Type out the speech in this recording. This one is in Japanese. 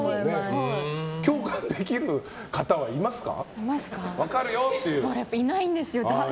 共感できる方はいますか？